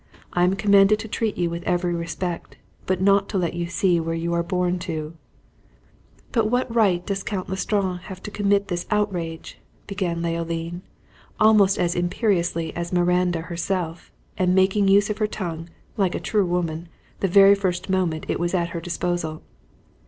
I am commanded to treat you with every respect, but not to let you see where you are borne to." "By what right does Count L'Estrange commit this outrage!" began Leoline, almost as imperiously as Miranda herself, and making use of her tongue, like a true woman, the very first moment it was at her disposal.